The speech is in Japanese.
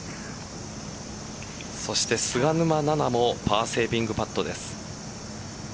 そして菅沼菜々もパーセービングパットです。